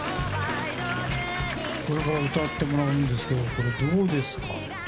これから歌ってもらうんですけどどうですか？